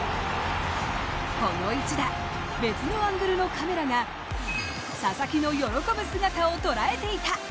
この一打、別のアングルのカメラが佐々木の喜ぶ姿を捉えていた。